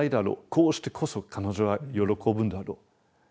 こうしてこそ彼女は喜ぶんだろう。